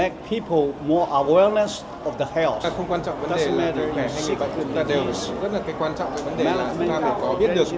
không quan trọng vấn đề là sức khỏe hay không chúng ta đều rất là quan trọng vấn đề là chúng ta phải có biết được